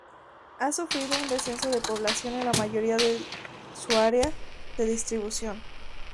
Ha sufrido un descenso de población en la mayoría del su área de distribución.